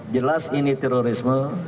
jelas ini terorisme